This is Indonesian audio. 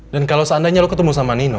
dan kalau seandainya lo ketemu sama nino